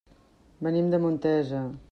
Venim de Montesa.